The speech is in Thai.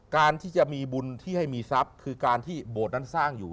การที่จะมีบุญที่ให้มีทรัพย์คือการที่โบสถนั้นสร้างอยู่